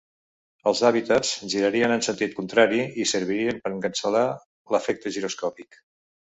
Els hàbitats girarien en sentit contrari i servirien per cancel·lar l'efecte giroscòpic.